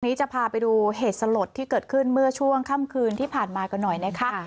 จะพาไปดูเหตุสลดที่เกิดขึ้นเมื่อช่วงค่ำคืนที่ผ่านมากันหน่อยนะคะ